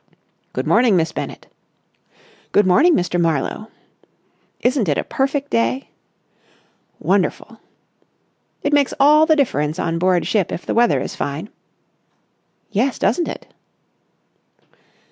"Good morning, Miss Bennett." "Good morning, Mr. Marlowe." "Isn't it a perfect day?" "Wonderful!" "It makes all the difference on board ship if the weather is fine." "Yes, doesn't it?"